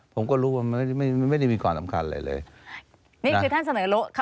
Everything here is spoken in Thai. ผมก็รู้ว่าไม่ไม่ไม่ไม่ได้มีความสำคัญเลยเลยนี่คือท่านเสนอโลก